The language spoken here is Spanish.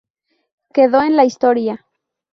Quedó en la historia.